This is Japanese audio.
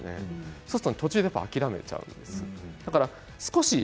そうすると途中で諦めてしまうんです。